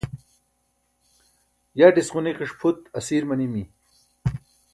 yaṭis ġunikiṣ phut asiir manibi